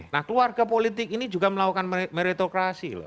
nah keluarga politik ini juga melakukan meritokrasi loh